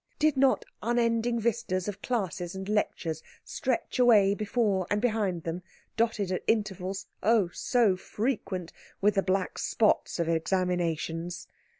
Did not unending vistas of classes and lectures stretch away before and behind them, dotted at intervals, oh, so frequent! with the black spots of examinations?